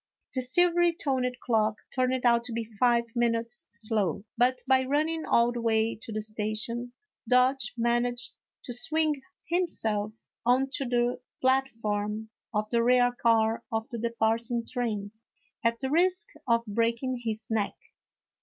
The silvery toned clock turned out to be five minutes slow, but, by running all the way to the station, Dodge managed to swing himself on to the A HALLOWED EN PARTY. 243 platform of the rear car of the departing train, at the risk of breaking his neck.